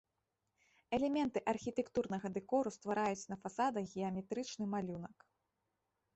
Элементы архітэктурнага дэкору ствараюць на фасадах геаметрычны малюнак.